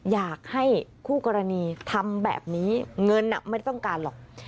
อยากให้คู่กรณีทำแบบนี้เงินไม่ได้ต้องการหรอก